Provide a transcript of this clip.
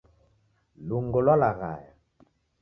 Lungo lwalaghaya